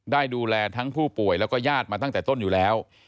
ได้ดูแลทั้งผู้ป่วยแล้วก็ญาติมาตั้งแต่ต้นอยู่แล้ว